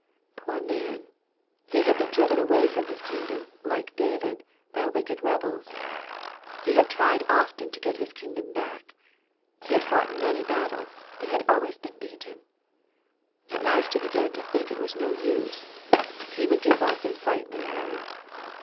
Poor man ! he had been driven away from his kingdom, like David, by wicked rebels. He had tried often to get his kingdom back. He had fought many battles, but had always been beaten. At last he begun to think it was no use : he would give up and fight no more.